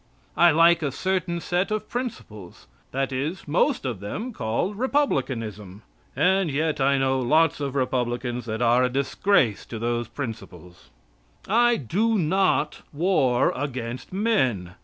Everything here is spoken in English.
I like a certain set of principles that is, most of them, called Republicanism, and yet I know lots of Republicans that are a disgrace to those principles. I do not war against men.